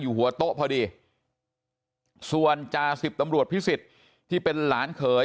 หัวโต๊ะพอดีส่วนจาสิบตำรวจพิสิทธิ์ที่เป็นหลานเขย